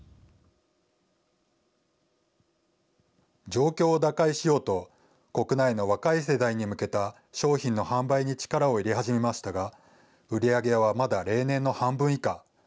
状況を打開しようと、国内の若い世代に向けた商品の販売に力を入れ始めましたが、売り上げはまだ例年の半分以下。